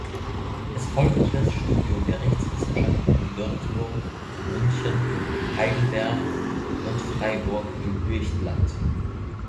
Es folgte das Studium der Rechtswissenschaften in Würzburg, München, Heidelberg und Freiburg im Üechtland.